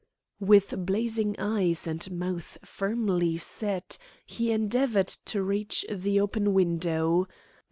With blazing eyes, and mouth firmly set, he endeavoured to reach the open window.